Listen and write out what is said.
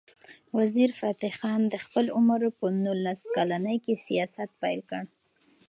وزیرفتح خان د خپل عمر په نولس کلنۍ کې سیاست پیل کړ.